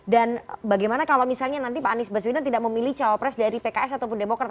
dan bagaimana kalau misalnya nanti pak anies baswedan tidak memilih capapres dari pks atau demokra